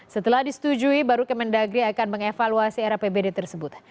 setelah disetujui baru kementerian dalam negeri akan mengevaluasi era apbd tersebut